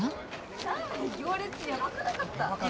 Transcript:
・ラーメン行列やばくなかった？